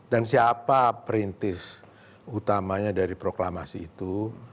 dan siapa perintis utamanya dari proklamasi itu